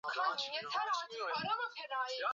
katika mpambano wa nusu fainali ya pili